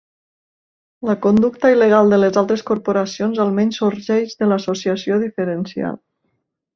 La conducta il·legal de les altres corporacions almenys sorgeix de l'associació diferencial.